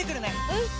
うん！